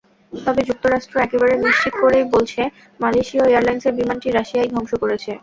তবে যুক্তরাষ্ট্র একেবারে নিশ্চিত করেই বলছে, মালয়েশীয় এয়ারলাইনসের বিমানটি রাশিয়াই ধ্বংস করেছে।